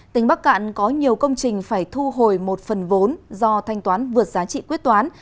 tỉnh bắc cạn có nhiều công trình phải thu hồi một phần vốn do thanh toán vượt giá trị quyết toán